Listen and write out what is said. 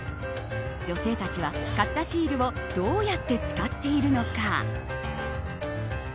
女性たちは買ったシールをどうやって使っているのか。